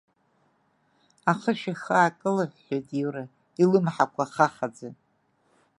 Ахышә ихы аакылҳәҳәеит Иура, илымҳақәа хахаӡа.